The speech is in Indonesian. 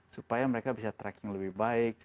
supaya mereka bisa tracking lebih baik